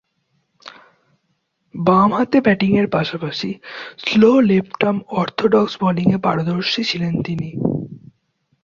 বামহাতে ব্যাটিংয়ের পাশাপাশি স্লো লেফট-আর্ম অর্থোডক্স বোলিংয়ে পারদর্শী ছিলেন তিনি।